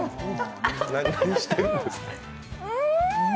何してるんですか。